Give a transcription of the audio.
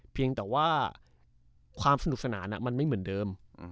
เพียงแต่ว่าความสนุกสนานมันไม่เหมือนเดิม